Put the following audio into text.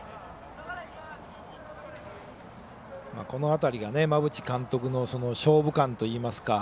この辺りが馬淵監督の勝負勘といいますか。